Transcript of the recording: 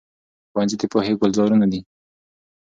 ښوونځي د پوهې ګلزارونه دي.